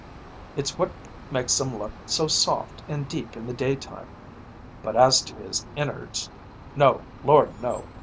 It's what makes 'em look so soft and deep in the daytime. But as to his innards no, Lord no!